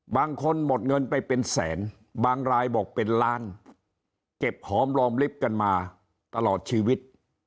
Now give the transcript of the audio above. บางคนหมดเงินไปเป็นแสนบางรายบอกเป็นล้านเก็บหอมรอมลิฟต์กันมาตลอดชีวิต